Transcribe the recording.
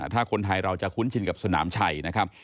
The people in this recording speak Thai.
ถ้าคนไทยเราจะคุ้นชินกับสนามชัยนะครับ